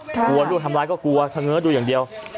กลัวลูกทำร้ายก็กลัวเฉง้อดูอย่างเดียว